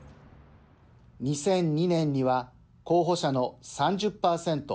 ２００２年には候補者の３０％。